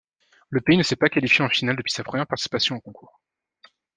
Le pays ne s'est pas qualifié en finale depuis sa première participation au Concours.